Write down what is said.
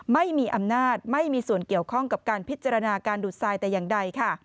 ไม่มีอำนาจไม่มีส่วนเกี่ยวข้องกับการพิจารณาการดูดทรายแต่อย่างใดค่ะ